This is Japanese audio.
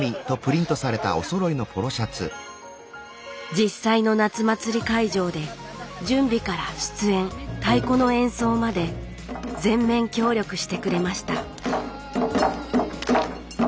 実際の夏祭り会場で準備から出演太鼓の演奏まで全面協力してくれました